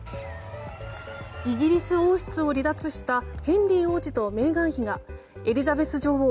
イギリス王室を離脱したヘンリー王子とメーガン妃がエリザベス女王